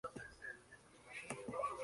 Además desempeñó cargos administrativos.